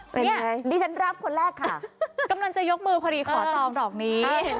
เป็นไงดิฉันรับคนแรกค่ะกำลังจะยกมือพอดีขอจองดอกนี้